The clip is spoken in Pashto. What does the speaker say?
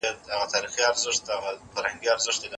د جرګي ګډونوالو څنګه خپله پرېکړه وکړه؟